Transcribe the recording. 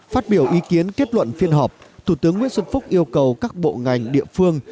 phát biểu ý kiến kết luận phiên họp thủ tướng nguyễn xuân phúc yêu cầu các bộ ngành địa phương